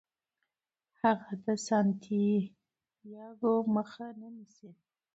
هغه د سانتیاګو مخه نه نیسي.